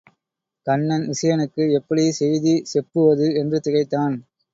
கண்ணன் விசயனுக்கு எப்படிச் செய்தி செப்புவது என்று திகைத்தான்.